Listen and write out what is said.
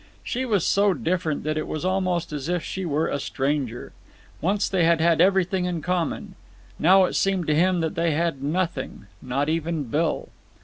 She was so different that it was almost as if she were a stranger. Once they had had everything in common. Now it seemed to him that they had nothing—not even Bill.